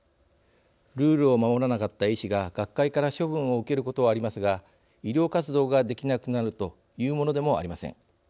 ルールを守らなかった医師が学会から処分を受けることはありますが医療活動ができなくなるというものでもありません。